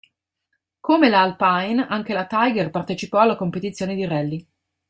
Come la Alpine, anche la Tiger partecipò alle competizioni di rally.